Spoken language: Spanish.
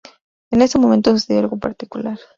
En ese momento sucedió algo particular.